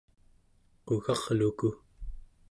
qugarluku